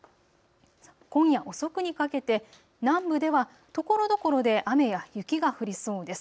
今夜遅くにかけて南部ではところどころで雨や雪が降りそうです。